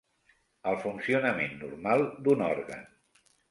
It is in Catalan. El funcionament normal d'un òrgan.